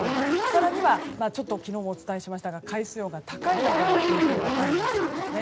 更には昨日もお伝えしましたが海水温が高いなどの影響があるというわけなんです。